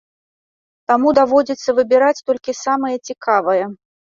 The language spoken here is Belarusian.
Таму даводзіцца выбіраць толькі самае цікавае.